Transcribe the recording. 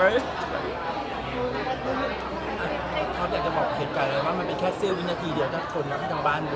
พี่ตอบอยากจะบอกเหตุการณ์เลยว่ามันแค่เซลล์วินาทีเดียวก็ทนแล้วไปกลางบ้านดู